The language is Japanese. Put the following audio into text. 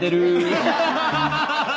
アハハハ！